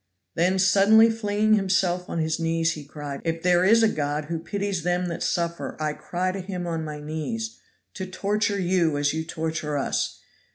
Then suddenly flinging himself on his knees, he cried, "If there is a God who pities them that suffer, I cry to Him on my knees to torture you as you torture us.